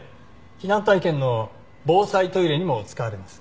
避難体験の防災トイレにも使われます。